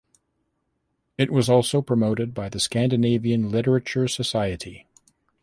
It was also promoted by the Scandinavian Literature Society.